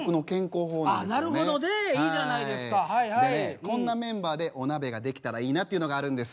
でねこんなメンバーでお鍋ができたらいいなっていうのがあるんです。